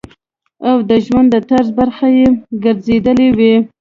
او د ژوند د طرز برخه ئې ګرځېدلي وي -